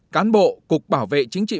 cán bộ cục bảo vệ chính trị